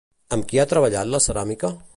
Amb qui ha treballat la ceràmica?